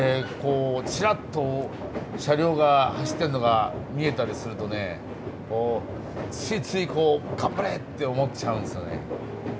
ちらっと車両が走ってるのが見えたりするとねこうついつい「頑張れ！」って思っちゃうんですよね。